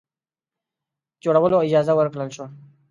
د جوړولو اجازه ورکړه شوه.